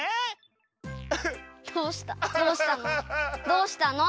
どうしたの？